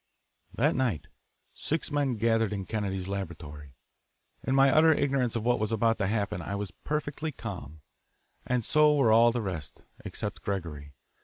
That night six men gathered in Kennedy's laboratory. In my utter ignorance of what was about to happen I was perfectly calm, and so were all the rest, except Gregory.